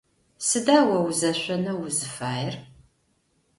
Сыда о узэшъонэу узыфаер?